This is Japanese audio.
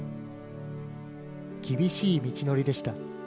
厳しい道のりでした。